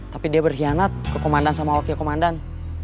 tapi dia berkhianat ke komandan sama wakil komandan